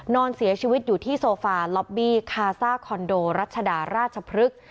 นอนเสียชีวิตอยู่ที่โซฟาล็อบบี้คาซ่าคอนโดรัชดาราชพฤกษ์